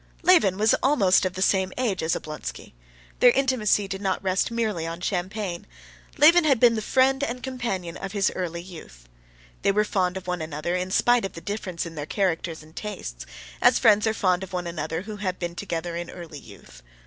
Levin was almost of the same age as Oblonsky; their intimacy did not rest merely on champagne. Levin had been the friend and companion of his early youth. They were fond of one another in spite of the difference of their characters and tastes, as friends are fond of one another who have been together in early youth.